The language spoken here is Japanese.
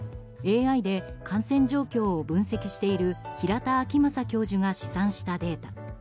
ＡＩで感染状況を分析している平田晃正教授が試算したデータ。